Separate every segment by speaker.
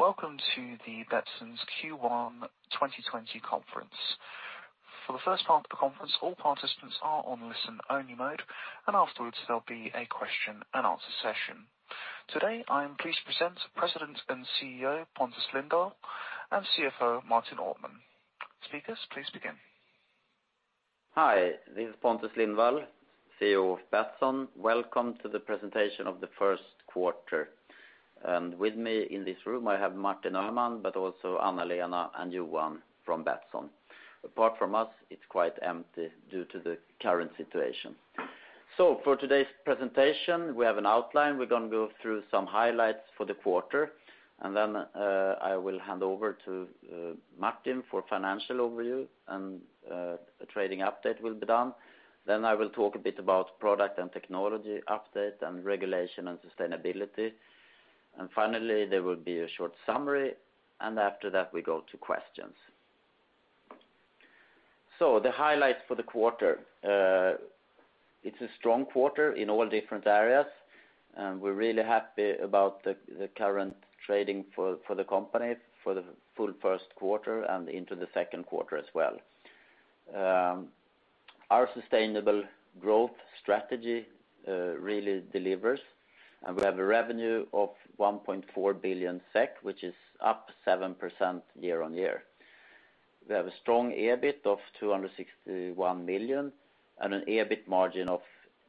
Speaker 1: Welcome to the Betsson's Q1 2020 conference. For the first part of the conference, all participants are on listen-only mode, and afterwards, there'll be a question-and-answer session. Today, I am pleased to present President and CEO, Pontus Lindwall, and CFO, Martin Öhman. Speakers, please begin.
Speaker 2: Hi, this is Pontus Lindwall, CEO of Betsson. Welcome to the presentation of the first quarter. With me in this room, I have Martin Öhman, but also Anna-Lena and Johan from Betsson. Apart from us, it's quite empty due to the current situation. For today's presentation, we have an outline. We're going to go through some highlights for the quarter, and then I will hand over to Martin for financial overview, and a trading update will be done. I will talk a bit about product and technology update, and regulation and sustainability. Finally, there will be a short summary, and after that, we go to questions. The highlights for the quarter. It's a strong quarter in all different areas, and we're really happy about the current trading for the company for the full first quarter and into the second quarter as well. Our sustainable growth strategy really delivers. We have a revenue of 1.4 billion SEK, which is up 7% year-on-year. We have a strong EBIT of 261 million and an EBIT margin of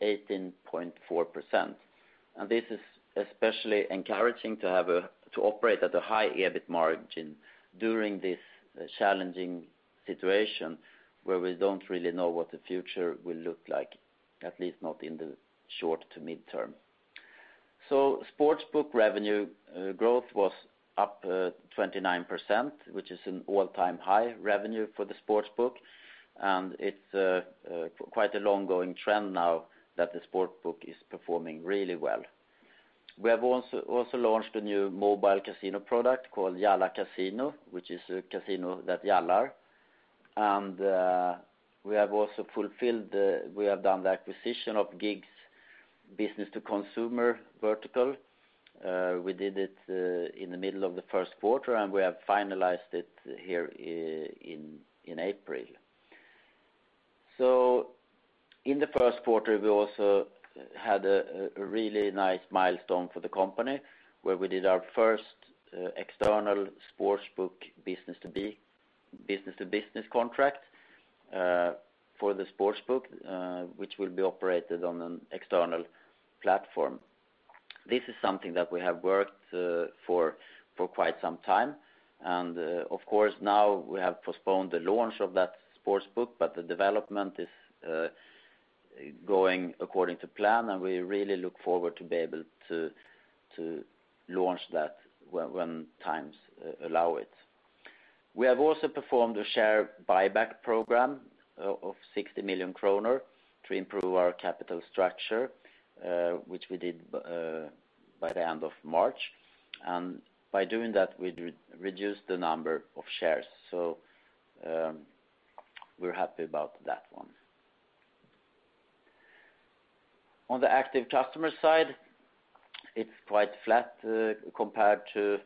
Speaker 2: 18.4%. This is especially encouraging to operate at a high EBIT margin during this challenging situation where we don't really know what the future will look like, at least not in the short to midterm. Sportsbook revenue growth was up 29%, which is an all-time high revenue for the Sportsbook. It's quite a long-going trend now that the Sportsbook is performing really well. We have also launched a new mobile casino product called Jalla Casino, which is a casino that "jallar." We have also done the acquisition of GiG's business-to-consumer vertical. We did it in the middle of the first quarter, and we have finalized it here in April. In the first quarter, we also had a really nice milestone for the company, where we did our first external Sportsbook business-to-business contract for the Sportsbook, which will be operated on an external platform. This is something that we have worked for quite some time, and of course, now we have postponed the launch of that Sportsbook, but the development is going according to plan, and we really look forward to be able to launch that when times allow it. We have also performed a share buyback program of 60 million kronor to improve our capital structure, which we did by the end of March. By doing that, we reduced the number of shares. We're happy about that one. On the active customer side, it's quite flat compared to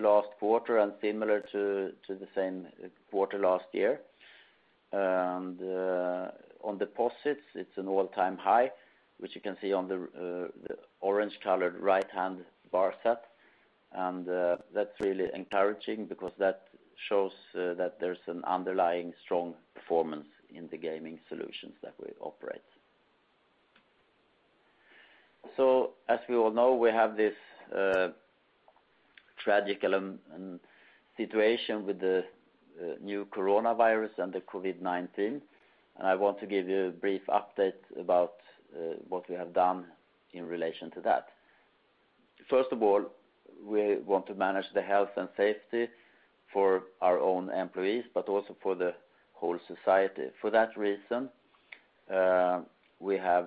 Speaker 2: last quarter and similar to the same quarter last year. On deposits, it's an all-time high, which you can see on the orange-colored right-hand bar set. That's really encouraging because that shows that there's an underlying strong performance in the gaming solutions that we operate. As we all know, we have this tragic situation with the new coronavirus and the COVID-19, and I want to give you a brief update about what we have done in relation to that. First of all, we want to manage the health and safety for our own employees, but also for the whole society. For that reason, we have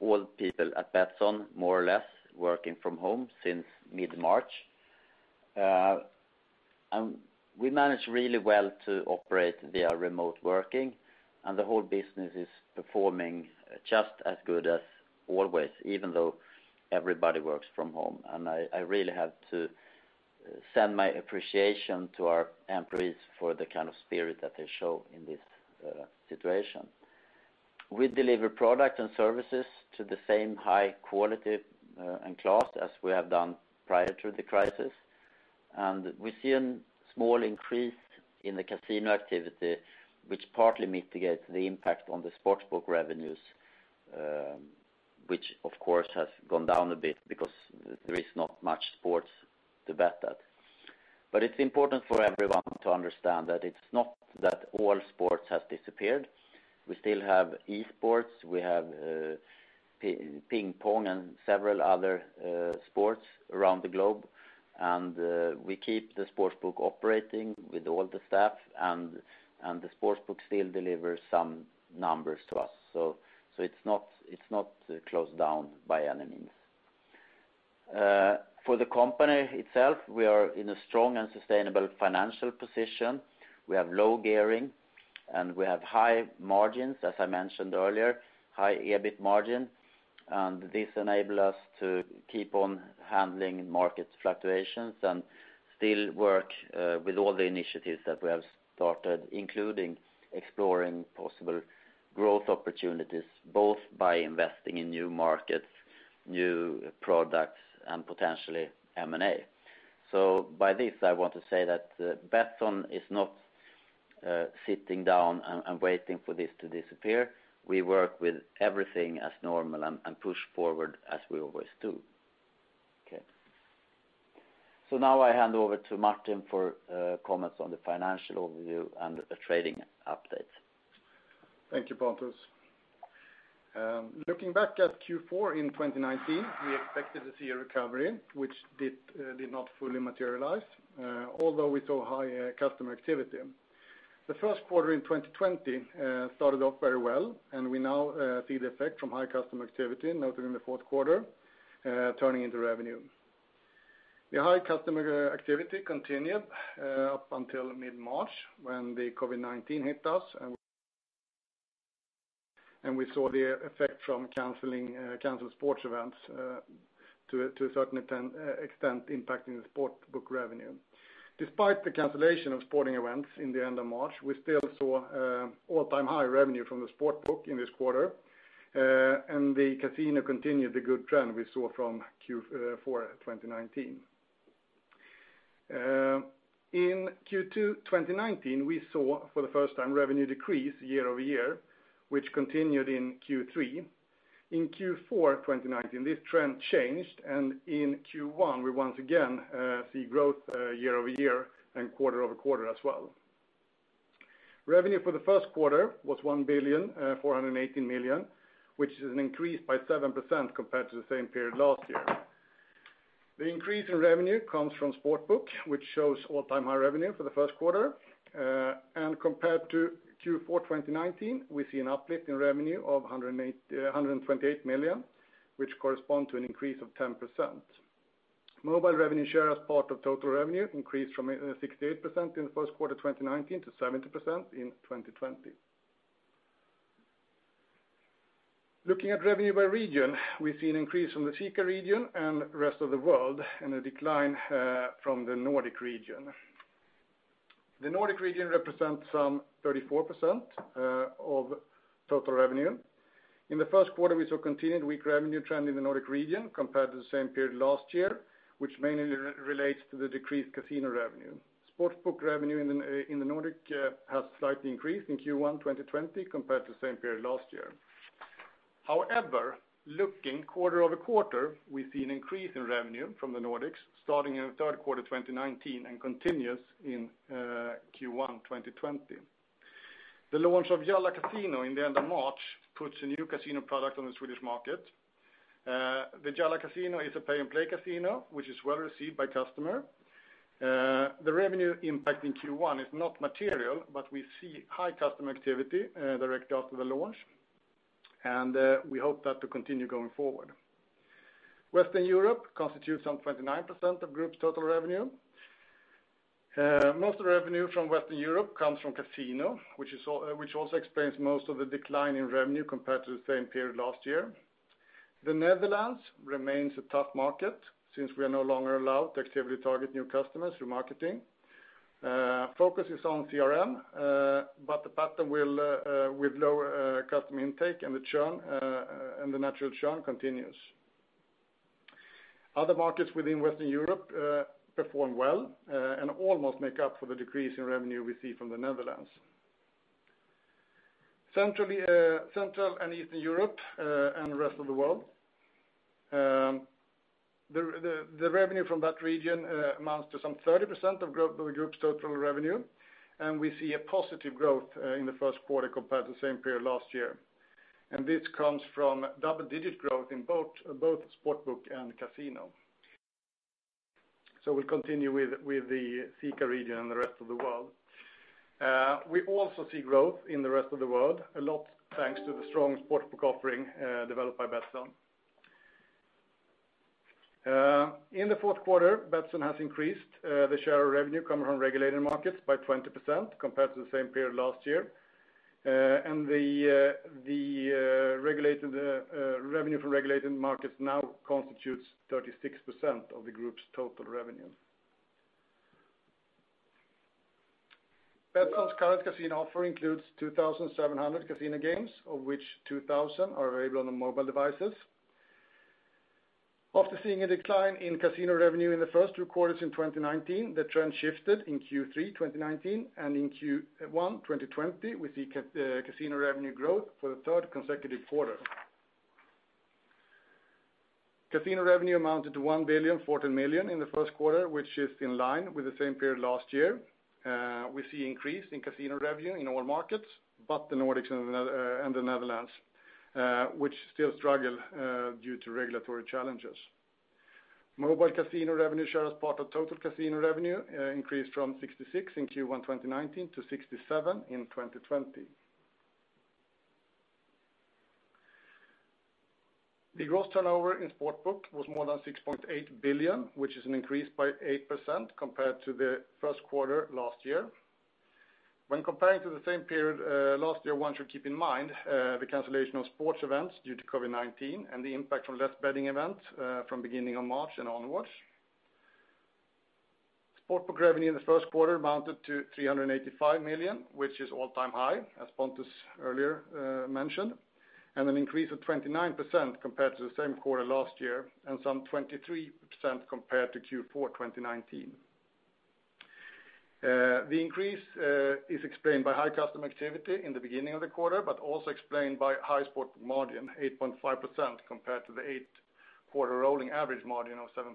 Speaker 2: all people at Betsson more or less working from home since mid-March. We manage really well to operate via remote working, and the whole business is performing just as good as always, even though everybody works from home. I really have to send my appreciation to our employees for the kind of spirit that they show in this situation. We deliver product and services to the same high quality and class as we have done prior to the crisis. We see a small increase in the casino activity, which partly mitigates the impact on the Sportsbook revenues, which, of course, has gone down a bit because there is not much sports to bet at. It's important for everyone to understand that it's not that all sports have disappeared. We still have esports, we have ping pong, and several other sports around the globe. We keep the Sportsbook operating with all the staff, and the Sportsbook still delivers some numbers to us, so it's not closed down by any means. For the company itself, we are in a strong and sustainable financial position. We have low gearing. We have high margins, as I mentioned earlier, high EBIT margin. This enable us to keep on handling market fluctuations and still work with all the initiatives that we have started, including exploring possible growth opportunities, both by investing in new markets, new products, and potentially M&A. By this, I want to say that Betsson is not sitting down and waiting for this to disappear. We work with everything as normal and push forward as we always do. Okay. Now I hand over to Martin for comments on the financial overview and the trading update.
Speaker 3: Thank you, Pontus. Looking back at Q4 in 2019, we expected to see a recovery which did not fully materialize, although we saw high customer activity. The first quarter in 2020 started off very well, and we now see the effect from high customer activity, noted in the fourth quarter, turning into revenue. The high customer activity continued up until mid-March when the COVID-19 hit us, and we saw the effect from canceled sports events to a certain extent, impacting the Sportsbook revenue. Despite the cancellation of sporting events in the end of March, we still saw all-time high revenue from the Sportsbook in this quarter, and the casino continued the good trend we saw from Q4 2019. In Q2 2019, we saw, for the first time, revenue decrease year-over-year, which continued in Q3. In Q4 2019, this trend changed. In Q1 we once again see growth year-over-year and quarter-over-quarter as well. Revenue for the first quarter was 1,418 million, which is an increase by 7% compared to the same period last year. The increase in revenue comes from Sportsbook, which shows all-time-high revenue for the first quarter. Compared to Q4 2019, we see an uplift in revenue of 128 million, which correspond to an increase of 10%. Mobile revenue share as part of total revenue increased from 68% in the first quarter 2019 to 70% in 2020. Looking at revenue by region, we see an increase from the CEECA region and rest of the world, and a decline from the Nordic region. The Nordic region represents some 34% of total revenue. In the first quarter, we saw continued weak revenue trend in the Nordic region compared to the same period last year, which mainly relates to the decreased casino revenue. Sportsbook revenue in the Nordic has slightly increased in Q1 2020 compared to the same period last year. However, looking quarter-over-quarter, we see an increase in revenue from the Nordics starting in the third quarter 2019 and continues in Q1 2020. The launch of Jalla Casino in the end of March puts a new casino product on the Swedish market. The Jalla Casino is a Pay N Play casino, which is well-received by customer. The revenue impact in Q1 is not material, but we see high customer activity directly after the launch, and we hope that to continue going forward. Western Europe constitutes some 29% of group's total revenue. Most of the revenue from Western Europe comes from casino which also explains most of the decline in revenue compared to the same period last year. The Netherlands remains a tough market since we are no longer allowed to actively target new customers through marketing. Focus is on CRM, but the pattern with lower customer intake and the natural churn continues. Other markets within Western Europe perform well and almost make up for the decrease in revenue we see from the Netherlands. Central and Eastern Europe and the rest of the world. The revenue from that region amounts to some 30% of the group's total revenue, and we see a positive growth in the first quarter compared to the same period last year. This comes from double-digit growth in both Sportsbook and casino. We'll continue with the CEECA region and the rest of the world. We also see growth in the rest of the world, a lot thanks to the strong Sportsbook offering developed by Betsson. In the fourth quarter, Betsson has increased the share of revenue coming from regulated markets by 20% compared to the same period last year. The revenue from regulated markets now constitutes 36% of the group's total revenue. Betsson's current casino offer includes 2,700 casino games, of which 2,000 are available on the mobile devices. After seeing a decline in casino revenue in the first two quarters in 2019, the trend shifted in Q3 2019. In Q1 2020, we see casino revenue growth for the third consecutive quarter. Casino revenue amounted to 1,040 million in the first quarter, which is in line with the same period last year. We see increase in casino revenue in all markets, but the Nordics and the Netherlands, which still struggle due to regulatory challenges. Mobile casino revenue share as part of total casino revenue increased from 66% in Q1 2019 to 67% in 2020. The gross turnover in Sportsbook was more than 6.8 billion, which is an increase by 8% compared to the first quarter last year. When comparing to the same period last year, one should keep in mind the cancellation of sports events due to COVID-19 and the impact from less betting events from beginning of March and onwards. Sportsbook revenue in the first quarter amounted to 385 million, which is all-time high, as Pontus earlier mentioned, and an increase of 29% compared to the same quarter last year and some 23% compared to Q4 2019. The increase is explained by high customer activity in the beginning of the quarter, but also explained by high sport margin, 8.5%, compared to the eight-quarter rolling average margin of 7.3%.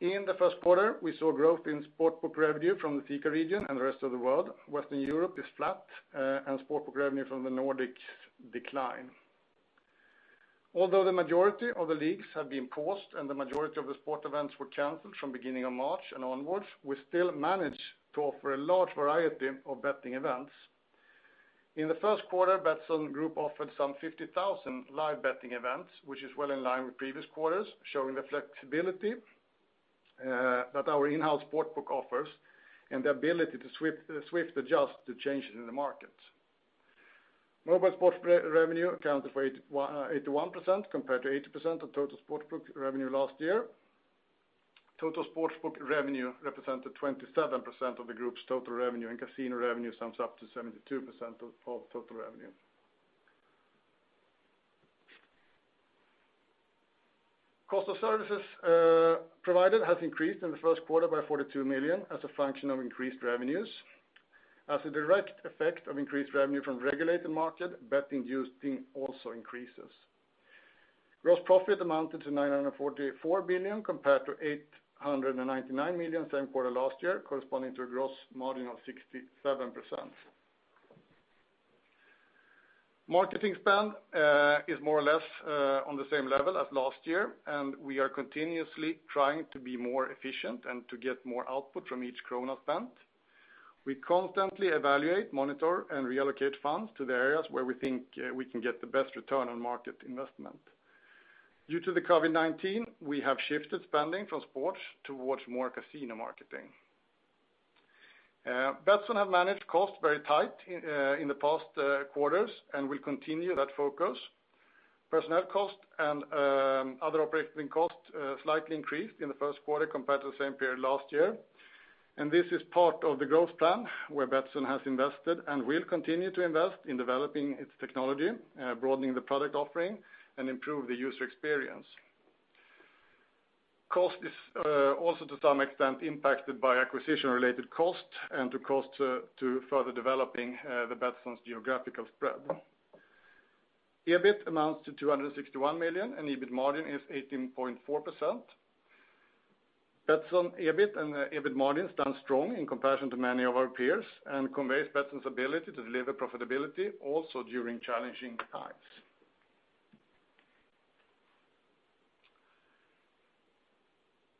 Speaker 3: In the first quarter, we saw growth in Sportsbook revenue from the CEECA region and the rest of the world. Western Europe is flat, and Sportsbook revenue from the Nordics decline. Although the majority of the leagues have been paused and the majority of the sport events were canceled from beginning of March and onwards, we still managed to offer a large variety of betting events. In the first quarter, Betsson Group offered some 50,000 live betting events, which is well in line with previous quarters, showing the flexibility that our in-house Sportsbook offers and the ability to swift adjust to changes in the market. Mobile sports revenue accounted for 81% compared to 80% of total Sportsbook revenue last year. Total Sportsbook revenue represented 27% of the group's total revenue, and casino revenue sums up to 72% of total revenue. Cost of services provided has increased in the first quarter by 42 million as a function of increased revenues. As a direct effect of increased revenue from regulated market, betting duties also increases. Gross profit amounted to 944 million compared to 899 million same quarter last year, corresponding to a gross margin of 67%. Marketing spend is more or less on the same level as last year, and we are continuously trying to be more efficient and to get more output from each krona spent. We constantly evaluate, monitor, and reallocate funds to the areas where we think we can get the best return on market investment. Due to the COVID-19, we have shifted spending from sports towards more casino marketing. Betsson have managed costs very tight in the past quarters, and we continue that focus. Personnel cost and other operating costs slightly increased in the first quarter compared to the same period last year. This is part of the growth plan where Betsson has invested and will continue to invest in developing its technology, broadening the product offering, and improve the user experience. Cost is also, to some extent, impacted by acquisition-related cost and the cost to further developing the Betsson's geographical spread. EBIT amounts to 261 million, and EBIT margin is 18.4%. Betsson EBIT and EBIT margin stand strong in comparison to many of our peers and conveys Betsson's ability to deliver profitability also during challenging times.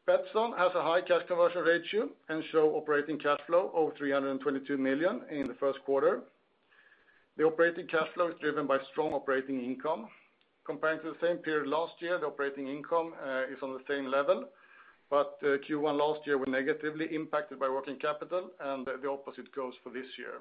Speaker 3: Betsson has a high cash conversion ratio and show operating cash flow of 322 million in the first quarter. The operating cash flow is driven by strong operating income. Comparing to the same period last year, the operating income is on the same level, but Q1 last year were negatively impacted by working capital. The opposite goes for this year.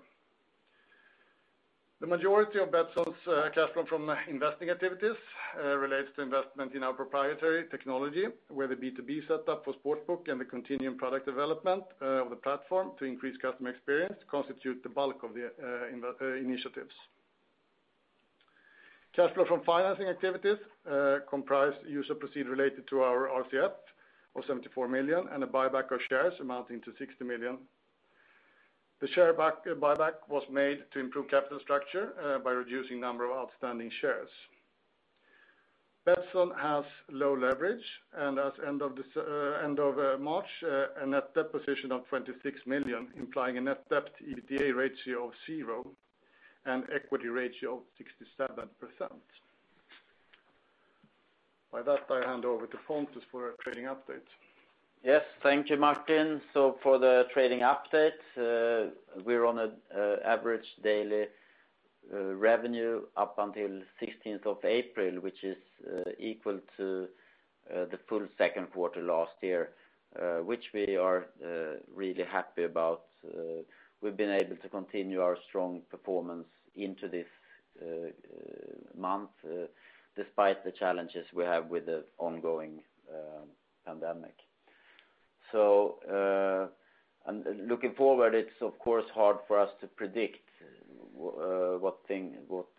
Speaker 3: The majority of Betsson's cash flow from investing activities relates to investment in our proprietary technology, where the B2B set up for Sportsbook and the continuing product development of the platform to increase customer experience constitute the bulk of the initiatives. Cash flow from financing activities comprise use of proceed related to our RCF of 74 million and a buyback of shares amounting to 60 million. The share buyback was made to improve capital structure by reducing number of outstanding shares. Betsson has low leverage and as end of March, a net debt position of 26 million, implying a net debt EBITDA ratio of 0x and equity ratio of 67%. By that, I hand over to Pontus for a trading update.
Speaker 2: Yes. Thank you, Martin. For the trading update, we're on an average daily revenue up until 16th of April, which is equal to the full second quarter last year, which we are really happy about. We've been able to continue our strong performance into this month, despite the challenges we have with the ongoing pandemic. Looking forward, it's of course hard for us to predict what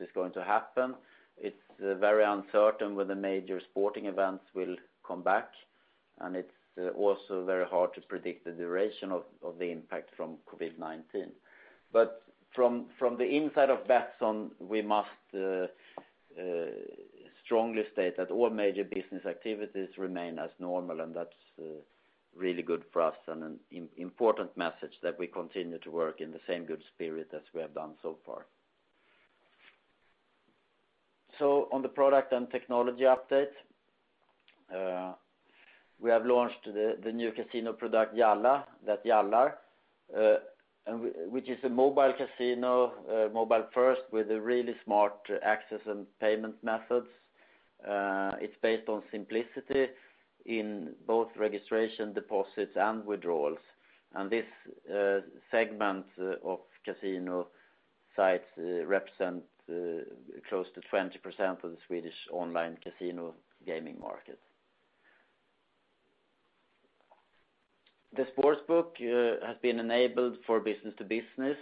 Speaker 2: is going to happen. It's very uncertain when the major sporting events will come back, and it's also very hard to predict the duration of the impact from COVID-19. From the inside of Betsson, we must strongly state that all major business activities remain as normal, and that's really good for us and an important message that we continue to work in the same good spirit as we have done so far. On the product and technology update. We have launched the new casino product, Jalla, that jallar, which is a mobile casino, mobile first, with really smart access and payment methods. It's based on simplicity in both registration, deposits, and withdrawals. This segment of casino sites represents close to 20% of the Swedish online casino gaming market. The Sportsbook has been enabled for business-to-business,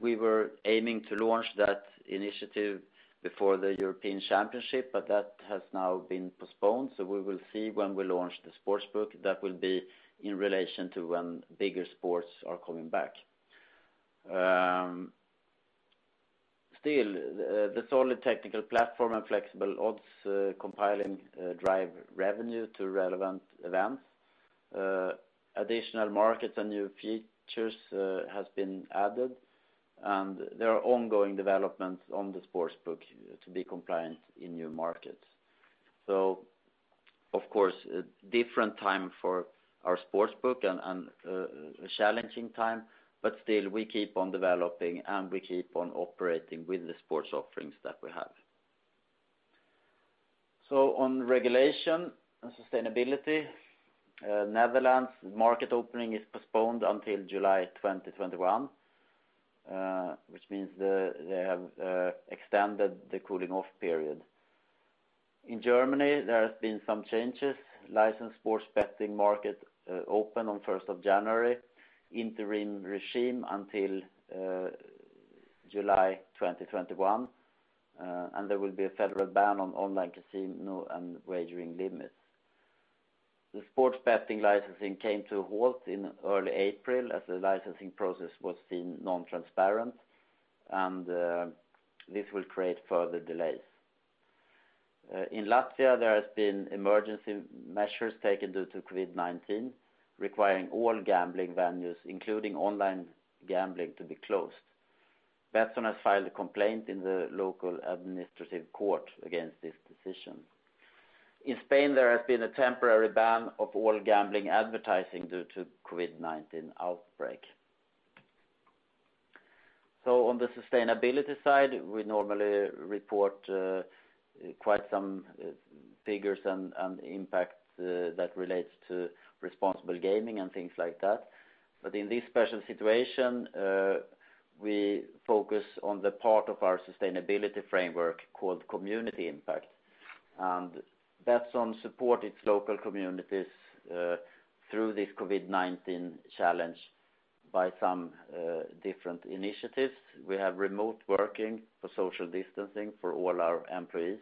Speaker 2: we were aiming to launch that initiative before the European Championship, that has now been postponed, we will see when we launch the Sportsbook. That will be in relation to when bigger sports are coming back. Still, the solid technical platform and flexible odds compiling drive revenue to relevant events. Additional markets and new features have been added, there are ongoing developments on the Sportsbook to be compliant in new markets. Of course, different time for our Sportsbook and a challenging time, but still we keep on developing, and we keep on operating with the sports offerings that we have. On regulation and sustainability, Netherlands market opening is postponed until July 2021, which means they have extended the cooling-off period. In Germany, there have been some changes. Licensed sports betting market open on the 1st of January, interim regime until July 2021, and there will be a federal ban on online casino and wagering limits. The sports betting licensing came to a halt in early April as the licensing process was deemed non-transparent, and this will create further delays. In Latvia, there have been emergency measures taken due to COVID-19, requiring all gambling venues, including online gambling, to be closed. Betsson has filed a complaint in the local administrative court against this decision. In Spain, there has been a temporary ban of all gambling advertising due to COVID-19 outbreak. On the sustainability side, we normally report quite some figures and impact that relates to responsible gaming and things like that. In this special situation, we focus on the part of our sustainability framework called community impact. Betsson support its local communities through this COVID-19 challenge by some different initiatives. We have remote working for social distancing for all our employees.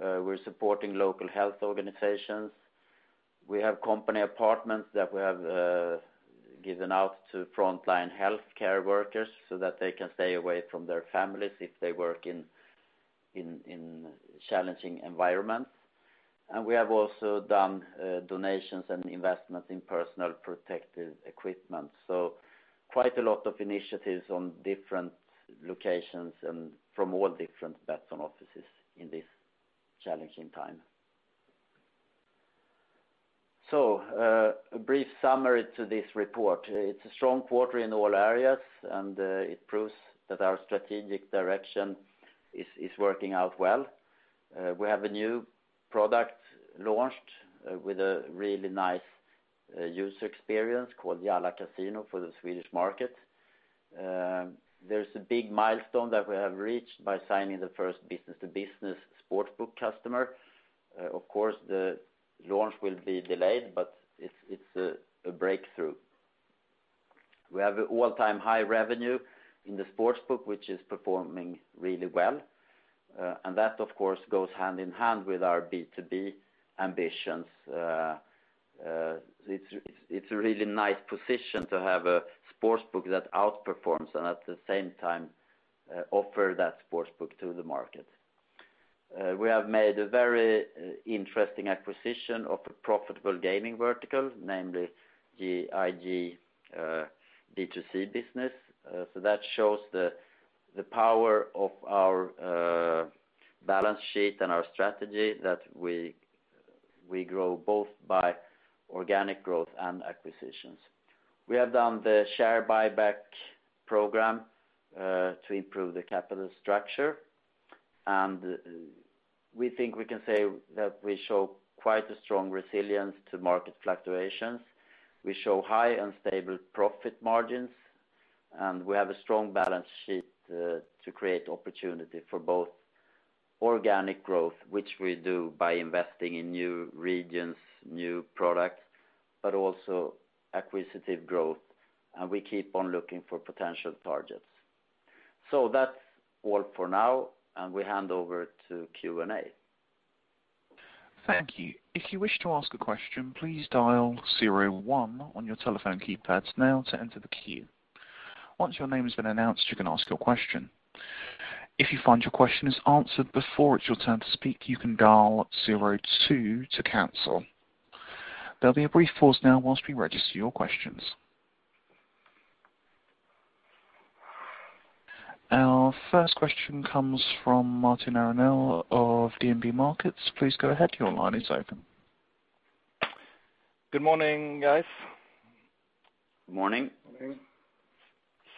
Speaker 2: We're supporting local health organizations. We have company apartments that we have given out to frontline healthcare workers so that they can stay away from their families if they work in challenging environments. We have also done donations and investments in personal protective equipment. Quite a lot of initiatives on different locations and from all different Betsson offices in this challenging time. A brief summary to this report. It's a strong quarter in all areas, and it proves that our strategic direction is working out well. We have a new product launched with a really nice user experience called Jalla Casino for the Swedish market. There's a big milestone that we have reached by signing the first business-to-business Sportsbook customer. Of course, the launch will be delayed, but it's a breakthrough. We have an all-time high revenue in the Sportsbook, which is performing really well. That, of course, goes hand in hand with our B2B ambitions. It's a really nice position to have a Sportsbook that outperforms and, at the same time, offer that Sportsbook to the market. We have made a very interesting acquisition of a profitable gaming vertical, namely the GiG B2C business. That shows the power of our balance sheet and our strategy that we grow both by organic growth and acquisitions. We have done the share buyback program to improve the capital structure, and we think we can say that we show quite a strong resilience to market fluctuations. We show high and stable profit margins, and we have a strong balance sheet to create opportunity for both organic growth, which we do by investing in new regions, new products, but also acquisitive growth. We keep on looking for potential targets. That's all for now, and we hand over to Q&A.
Speaker 1: Thank you. If you wish to ask a question, please dial zero one on your telephone keypads now to enter the queue. Once your name has been announced, you can ask your question. If you find your question is answered before it's your turn to speak, you can dial zero two to cancel. There'll be a brief pause now whilst we register your questions. Our first question comes from Martin Arnell of DNB Markets. Please go ahead, your line is open.
Speaker 4: Good morning, guys.
Speaker 2: Good morning.
Speaker 3: Good morning.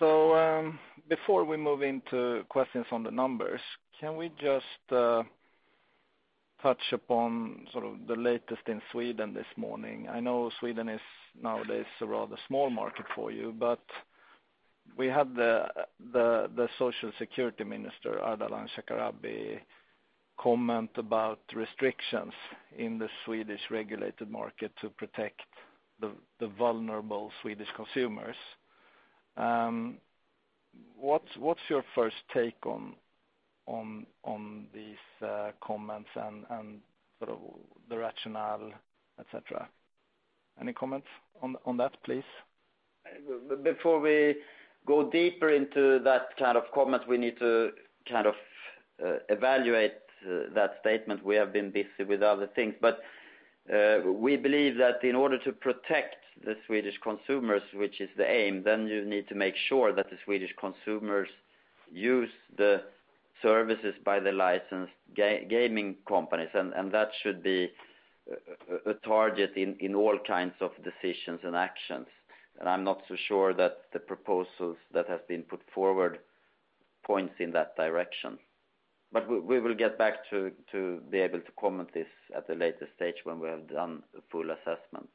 Speaker 4: Before we move into questions on the numbers, can we just touch upon the latest in Sweden this morning? I know Sweden is nowadays a rather small market for you. We had the Social Security Minister, Ardalan Shekarabi, comment about restrictions in the Swedish regulated market to protect the vulnerable Swedish consumers. What's your first take on these comments and the rationale, et cetera? Any comments on that, please?
Speaker 2: Before we go deeper into that kind of comment, we need to evaluate that statement. We believe that in order to protect the Swedish consumers, which is the aim, then you need to make sure that the Swedish consumers use the services by the licensed gaming companies. That should be a target in all kinds of decisions and actions. I'm not so sure that the proposals that have been put forward points in that direction. We will get back to be able to comment this at a later stage when we have done a full assessment.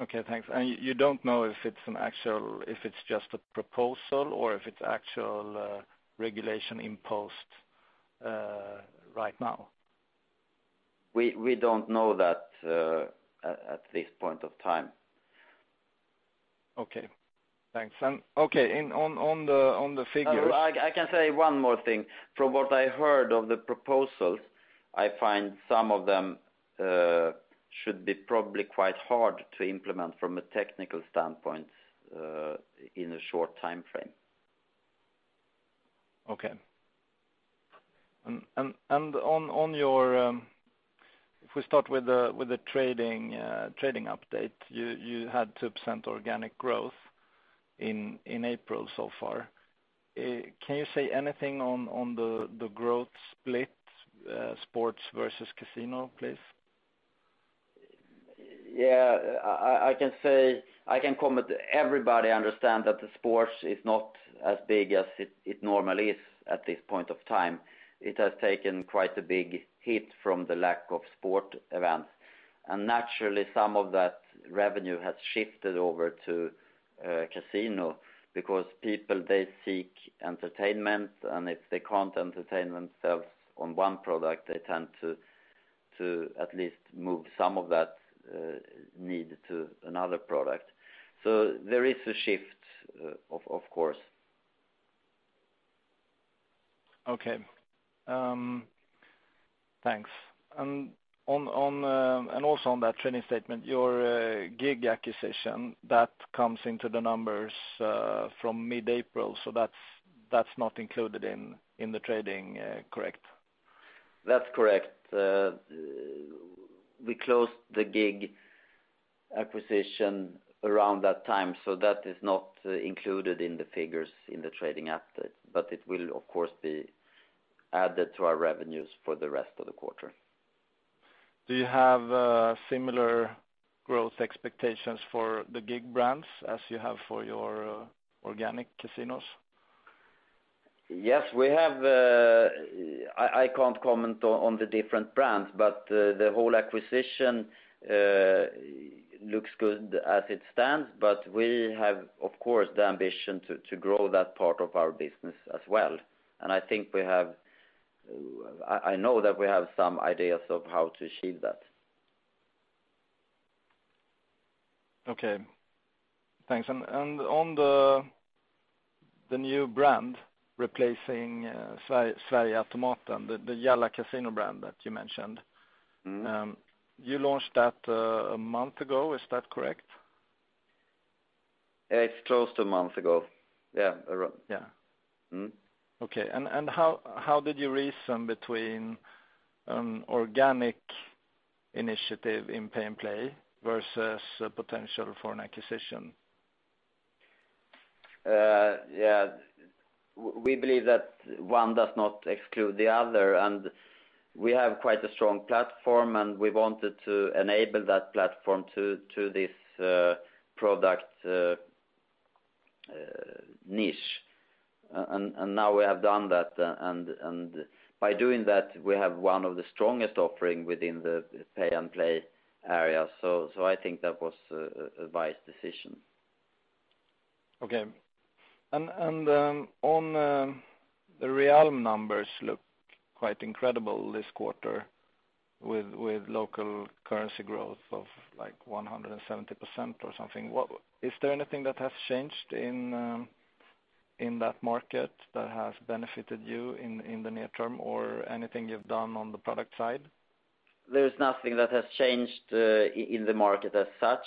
Speaker 4: Okay, thanks. You don't know if it's just a proposal or if it's actual regulation imposed right now?
Speaker 2: We don't know that at this point of time.
Speaker 4: Okay, thanks. On the figures-
Speaker 2: I can say one more thing. From what I heard of the proposals, I find some of them should be probably quite hard to implement from a technical standpoint in a short timeframe.
Speaker 4: Okay. If we start with the trading update, you had 2% organic growth in April so far. Can you say anything on the growth split, sports versus casino, please?
Speaker 2: Yeah. I can comment, everybody understands that the sports is not as big as it normally is at this point of time. It has taken quite a big hit from the lack of sport events. Naturally, some of that revenue has shifted over to casino because people seek entertainment, and if they can't entertain themselves on one product, they tend to at least move some of that need to another product. There is a shift, of course.
Speaker 4: Okay. Thanks. Also on that trading statement, your GiG acquisition, that comes into the numbers from mid-April, so that's not included in the trading, correct?
Speaker 2: That's correct. We closed the GiG acquisition around that time, so that is not included in the figures in the trading update. It will, of course, be added to our revenues for the rest of the quarter.
Speaker 4: Do you have similar growth expectations for the GiG brands as you have for your organic casinos?
Speaker 2: Yes. I can't comment on the different brands. The whole acquisition looks good as it stands. We have, of course, the ambition to grow that part of our business as well. I know that we have some ideas of how to achieve that.
Speaker 4: Okay, thanks. On the new brand replacing Sverigeautomaten, the Jalla Casino brand that you mentioned. You launched that a month ago, is that correct?
Speaker 2: It's close to a month ago. Yeah. Yeah.
Speaker 4: Okay. How did you reason between an organic initiative in Pay N Play versus a potential for an acquisition?
Speaker 2: We believe that one does not exclude the other, and we have quite a strong platform, and we wanted to enable that platform to this product niche. Now we have done that, and by doing that, we have one of the strongest offering within the Pay N Play area. I think that was a wise decision.
Speaker 4: Okay. The [Real] numbers look quite incredible this quarter with local currency growth of 170% or something. Is there anything that has changed in that market that has benefited you in the near term, or anything you've done on the product side?
Speaker 2: There's nothing that has changed in the market as such.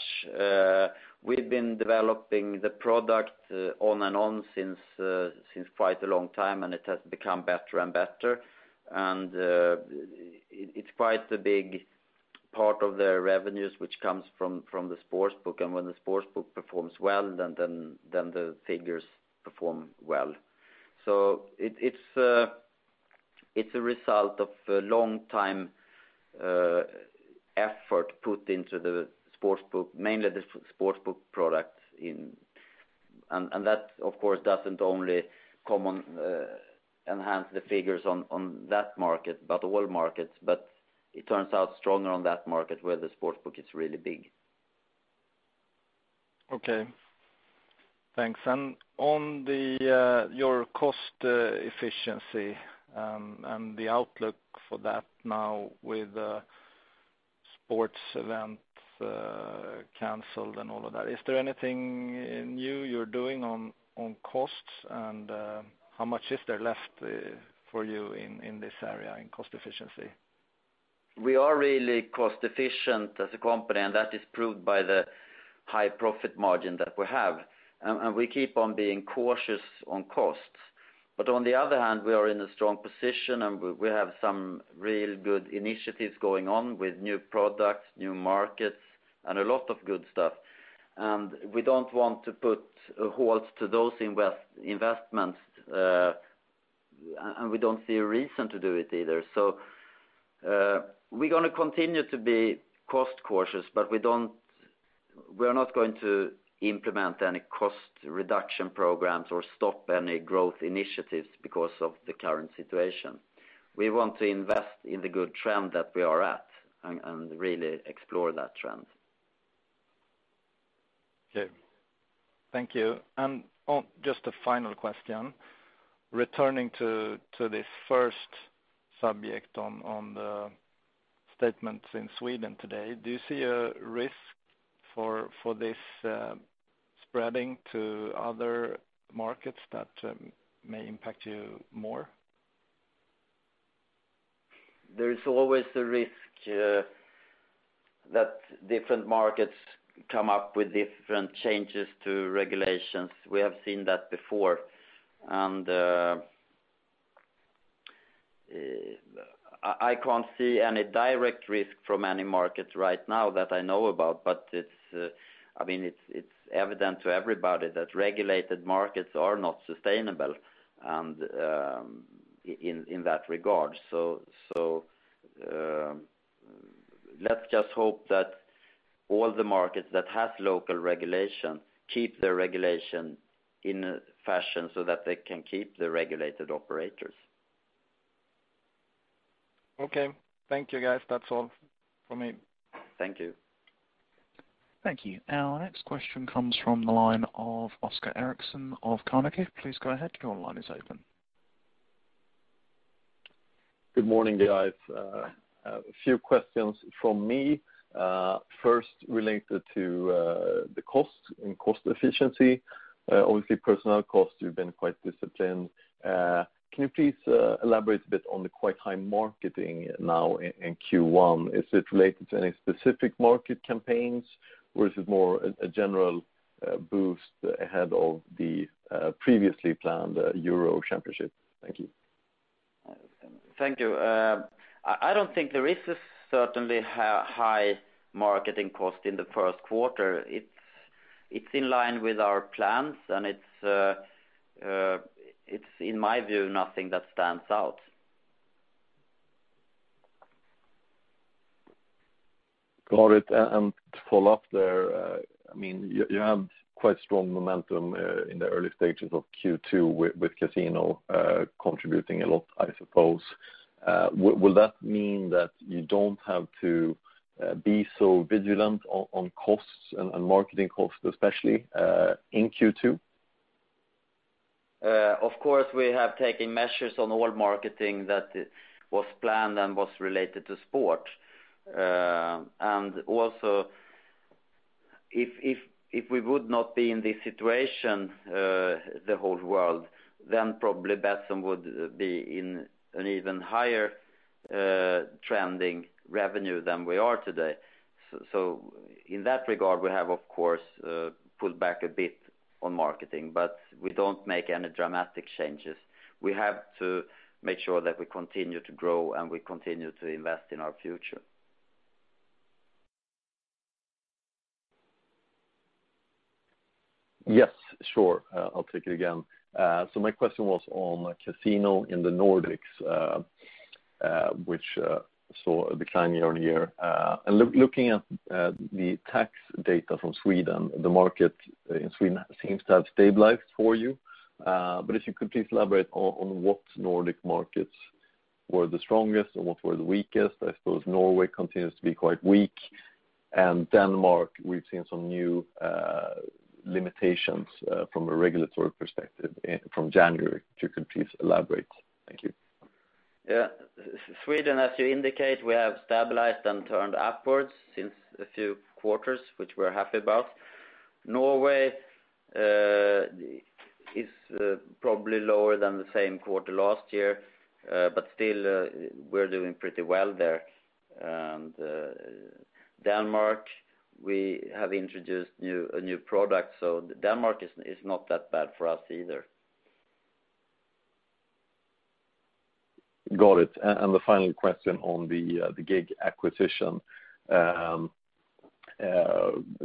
Speaker 2: We've been developing the product on and on since quite a long time, and it has become better and better, and it's quite a big part of their revenues, which comes from the Sportsbook. When the Sportsbook performs well, then the figures perform well. It's a result of a long time effort put into the Sportsbook, mainly the Sportsbook product. That, of course, doesn't only come and enhance the figures on that market, but all markets, but it turns out stronger on that market where the Sportsbook is really big.
Speaker 4: Okay. Thanks. On your cost efficiency and the outlook for that now with sports events canceled and all of that, is there anything new you're doing on costs and how much is there left for you in this area in cost efficiency?
Speaker 2: We are really cost efficient as a company, and that is proved by the high profit margin that we have. We keep on being cautious on costs. On the other hand, we are in a strong position and we have some real good initiatives going on with new products, new markets, and a lot of good stuff. We don't want to put a halt to those investments, and we don't see a reason to do it either. We're going to continue to be cost cautious, but we're not going to implement any cost reduction programs or stop any growth initiatives because of the current situation. We want to invest in the good trend that we are at and really explore that trend.
Speaker 4: Okay. Thank you. Just a final question. Returning to this first subject on the statements in Sweden today, do you see a risk for this spreading to other markets that may impact you more?
Speaker 2: There is always the risk that different markets come up with different changes to regulations. We have seen that before. I can't see any direct risk from any markets right now that I know about, but it's evident to everybody that regulated markets are not sustainable and in that regard. Let's just hope that all the markets that have local regulation keep their regulation in a fashion so that they can keep the regulated operators.
Speaker 4: Okay. Thank you guys. That's all from me.
Speaker 2: Thank you.
Speaker 1: Thank you. Our next question comes from the line of Oscar Erixon of Carnegie. Please go ahead. Your line is open.
Speaker 5: Good morning, guys. A few questions from me. First, related to the cost and cost efficiency. Obviously, personnel costs have been quite disciplined. Can you please elaborate a bit on the quite high marketing now in Q1? Is it related to any specific market campaigns, or is it more a general boost ahead of the previously planned Euro Championship? Thank you.
Speaker 2: Thank you. I don't think there is a certainly high marketing cost in the first quarter. It's in line with our plans and it's, in my view, nothing that stands out.
Speaker 5: Got it. To follow up there, you have quite strong momentum in the early stages of Q2 with casino contributing a lot, I suppose. Will that mean that you don't have to be so vigilant on costs and marketing costs, especially, in Q2?
Speaker 2: Of course, we have taken measures on all marketing that was planned and was related to sport. If we would not be in this situation, the whole world, then probably Betsson would be in an even higher trending revenue than we are today. In that regard, we have, of course, pulled back a bit on marketing, but we don't make any dramatic changes. We have to make sure that we continue to grow, and we continue to invest in our future.
Speaker 5: Yes, sure. I'll take it again. My question was on casino in the Nordics, which saw a decline year-over-year. Looking at the tax data from Sweden, the market in Sweden seems to have stabilized for you. If you could please elaborate on what Nordic markets were the strongest and what were the weakest. I suppose Norway continues to be quite weak, and Denmark, we've seen some new limitations from a regulatory perspective from January. If you could please elaborate. Thank you.
Speaker 2: Yeah. Sweden, as you indicate, we have stabilized and turned upwards since a few quarters, which we're happy about. Norway is probably lower than the same quarter last year, but still we're doing pretty well there. Denmark, we have introduced a new product, so Denmark is not that bad for us either.
Speaker 5: Got it. The final question on the GiG acquisition.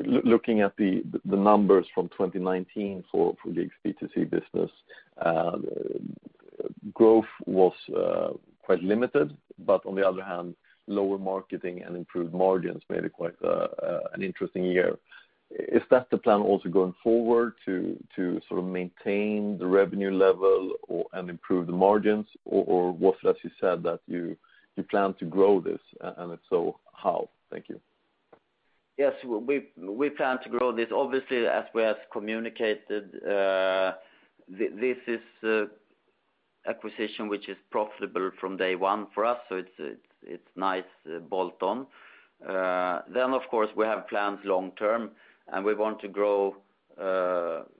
Speaker 5: Looking at the numbers from 2019 for GiG's B2C business, growth was quite limited, but on the other hand, lower marketing and improved margins made it quite an interesting year. Is that the plan also going forward, to maintain the revenue level and improve the margins? Was it, as you said, that you plan to grow this, and if so, how? Thank you.
Speaker 2: Yes, we plan to grow this. Obviously, as we have communicated, this is an acquisition which is profitable from day one for us, so it's a nice bolt-on. Of course, we have plans long term, and we want to grow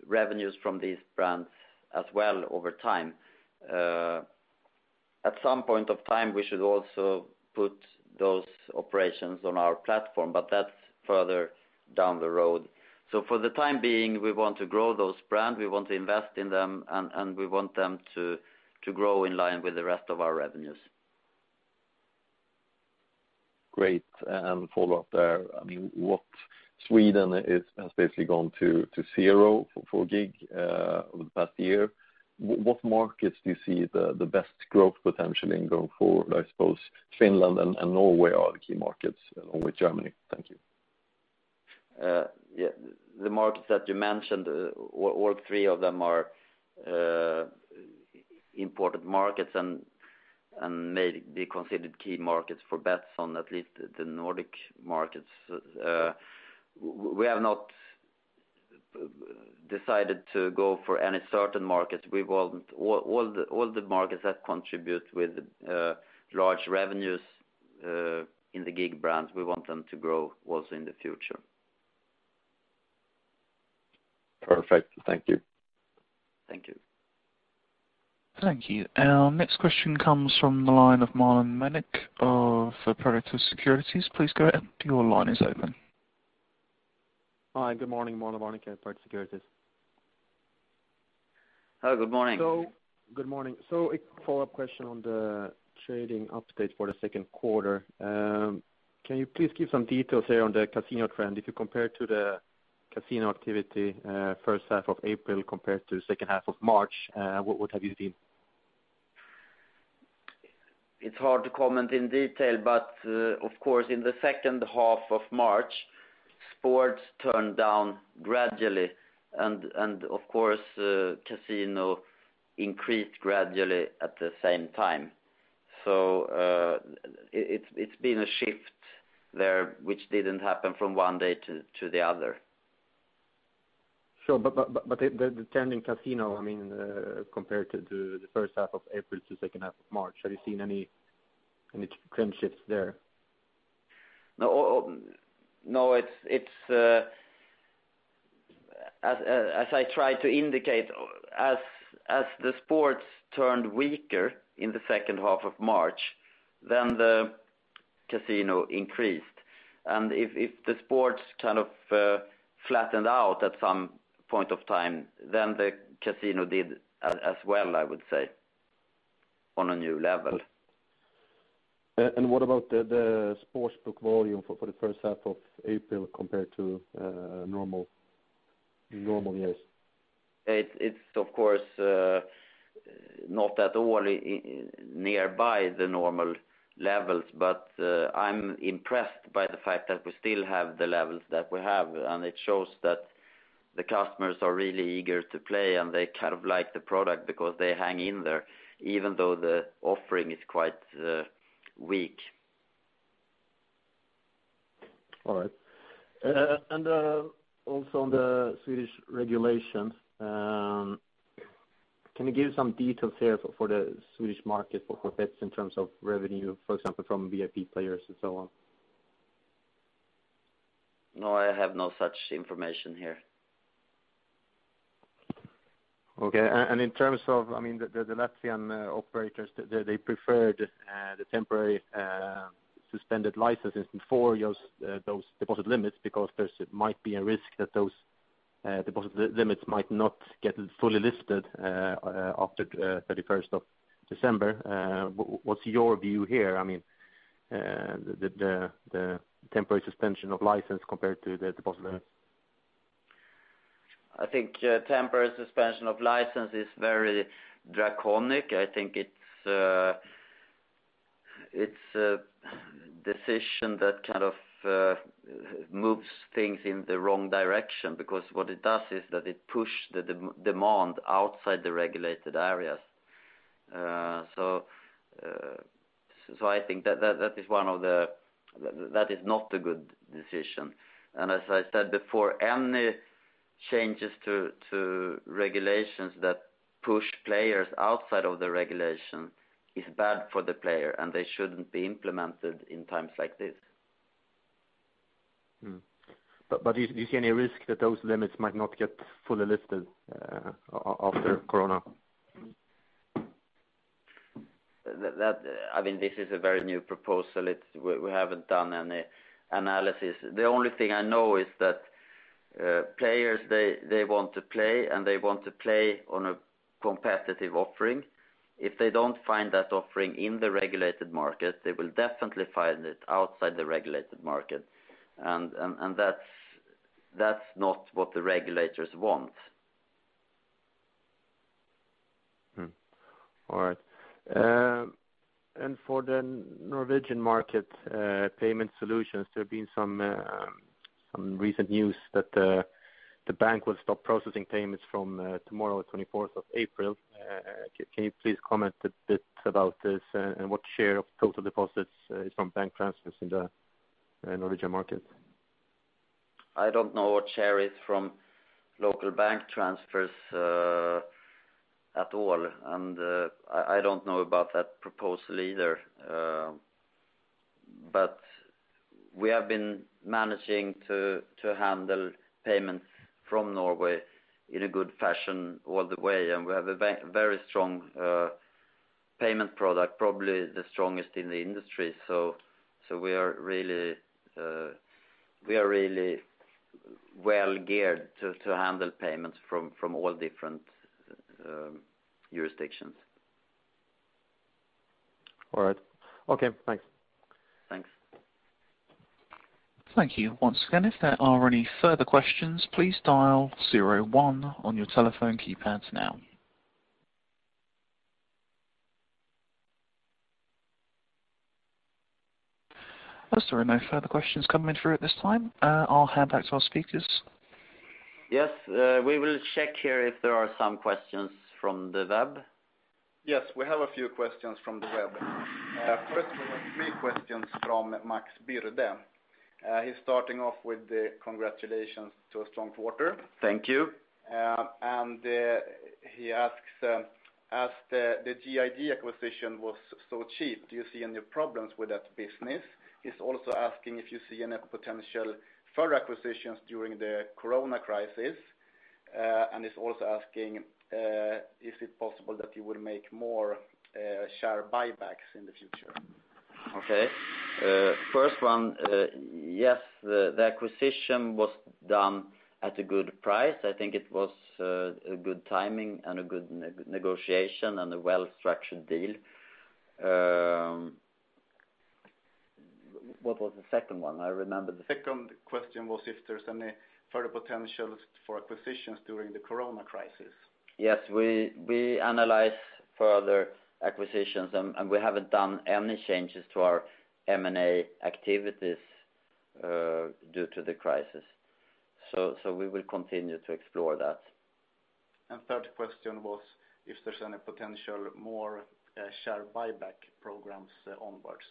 Speaker 2: revenues from these brands as well over time. At some point of time, we should also put those operations on our platform, but that's further down the road. For the time being, we want to grow those brands, we want to invest in them, and we want them to grow in line with the rest of our revenues.
Speaker 5: Great. Follow up there, Sweden has basically gone to zero for GiG over the past year. What markets do you see the best growth potential in going forward? I suppose Finland and Norway are the key markets, along with Germany. Thank you.
Speaker 2: The markets that you mentioned, all three of them are important markets and may be considered key markets for Betsson, at least the Nordic markets. We have not decided to go for any certain markets. All the markets that contribute with large revenues in the GiG brand, we want them to grow also in the future.
Speaker 5: Perfect. Thank you.
Speaker 2: Thank you.
Speaker 1: Thank you. Our next question comes from the line of Marlon Varnik of Pareto Securities. Please go ahead. Your line is open.
Speaker 6: Hi, good morning. Marlon Varnik at Pareto Securities.
Speaker 2: Hello, good morning.
Speaker 6: Good morning. A follow-up question on the trading update for the second quarter. Can you please give some details here on the casino trend? If you compare to the casino activity first half of April compared to second half of March, what have you seen?
Speaker 2: It's hard to comment in detail, but of course, in the second half of March, sports turned down gradually, and of course, casino increased gradually at the same time. It's been a shift there, which didn't happen from one day to the other.
Speaker 6: Sure. The trend in casino, compared to the first half of April to second half of March, have you seen any trend shifts there?
Speaker 2: No. As I tried to indicate, as the sports turned weaker in the second half of March, then the casino increased. If the sports kind of flattened out at some point of time, then the casino did as well, I would say, on a new level.
Speaker 6: What about the Sportsbook volume for the first half of April compared to normal years?
Speaker 2: It's of course not at all nearby the normal levels, but I'm impressed by the fact that we still have the levels that we have, and it shows that the customers are really eager to play, and they kind of like the product because they hang in there, even though the offering is quite weak.
Speaker 6: All right. Also on the Swedish regulations, can you give some details here for the Swedish market for bets in terms of revenue, for example, from VIP players and so on?
Speaker 2: No, I have no such information here.
Speaker 6: Okay. In terms of the Latvian operators, they preferred the temporary suspended licenses before those deposit limits, because there might be a risk that those deposit limits might not get fully lifted after 31st of December. What's your view here? The temporary suspension of license compared to the deposit limits?
Speaker 2: I think temporary suspension of license is very draconic. I think it's a decision that kind of moves things in the wrong direction, because what it does is that it push the demand outside the regulated areas. I think that is not a good decision. As I said before, any changes to regulations that push players outside of the regulation is bad for the player, and they shouldn't be implemented in times like this.
Speaker 6: Do you see any risk that those limits might not get fully lifted after corona?
Speaker 2: This is a very new proposal. We haven't done any analysis. The only thing I know is that players, they want to play, and they want to play on a competitive offering. If they don't find that offering in the regulated market, they will definitely find it outside the regulated market. That's not what the regulators want.
Speaker 6: All right. For the Norwegian market payment solutions, there have been some recent news that the bank will stop processing payments from tomorrow, the 24th of April. Can you please comment a bit about this, and what share of total deposits is from bank transfers in the Norwegian market?
Speaker 2: I don't know what share is from local bank transfers at all, and I don't know about that proposal either. We have been managing to handle payments from Norway in a good fashion all the way, and we have a very strong payment product, probably the strongest in the industry. We are really well-geared to handle payments from all different jurisdictions.
Speaker 6: All right. Okay, thanks.
Speaker 2: Thanks.
Speaker 1: Thank you once again. If there are any further questions, please dial zero one on your telephone keypads now. I'm sorry, no further questions coming through at this time. I'll hand back to our speakers.
Speaker 2: Yes, we will check here if there are some questions from the web.
Speaker 3: Yes, we have a few questions from the web. First of all, three questions from Max Barde. He's starting off with the congratulations to a strong quarter.
Speaker 2: Thank you.
Speaker 3: He asks, as the GiG acquisition was so cheap, do you see any problems with that business? He's also asking if you see any potential further acquisitions during the corona crisis. Is it possible that you will make more share buybacks in the future?
Speaker 2: First one, yes, the acquisition was done at a good price. I think it was a good timing and a good negotiation and a well-structured deal. What was the second one?
Speaker 3: Second question was if there's any further potentials for acquisitions during the corona crisis.
Speaker 2: Yes, we analyze further acquisitions, and we haven't done any changes to our M&A activities due to the crisis. We will continue to explore that.
Speaker 3: third question was if there's any potential more share buyback programs onwards.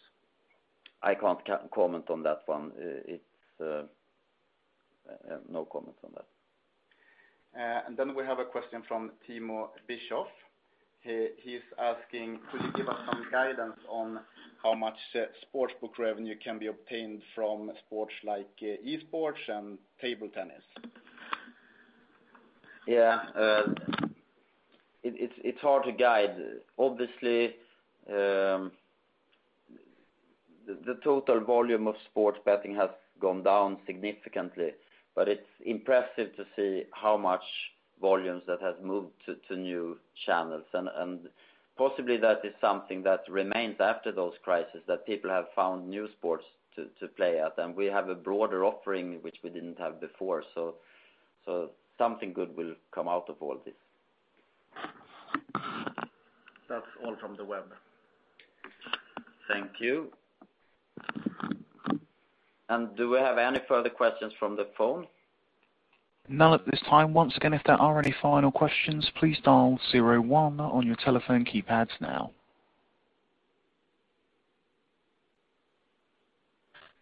Speaker 2: I can't comment on that one. No comment on that.
Speaker 3: We have a question from Timo Bischoff. He's asking, could you give us some guidance on how much Sportsbook revenue can be obtained from sports like esports and table tennis?
Speaker 2: Yeah. It's hard to guide. Obviously, the total volume of sports betting has gone down significantly, but it's impressive to see how much volumes that has moved to new channels. Possibly that is something that remains after those crises, that people have found new sports to play at. We have a broader offering which we didn't have before, so something good will come out of all this.
Speaker 3: That's all from the web.
Speaker 2: Thank you. Do we have any further questions from the phone?
Speaker 1: None at this time. Once again, if there are any final questions, please dial zero one on your telephone keypads now.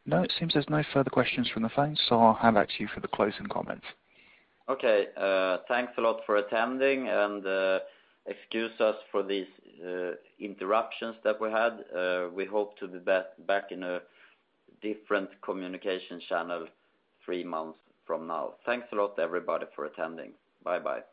Speaker 1: No, it seems there's no further questions from the phone. I'll hand back to you for the closing comments.
Speaker 2: Okay. Thanks a lot for attending, and excuse us for these interruptions that we had. We hope to be back in a different communication channel three months from now. Thanks a lot, everybody, for attending. Bye-bye.